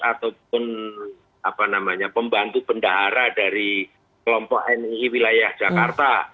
ataupun pembantu bendahara dari kelompok nii wilayah jakarta